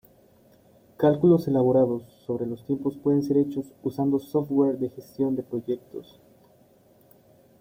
Cálculos elaborados sobre los tiempos pueden ser hechos usando software de gestión de proyectos.